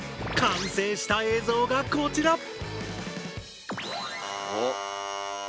完成した映像がこちら！